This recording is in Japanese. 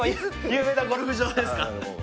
有名なゴルフ場ですか？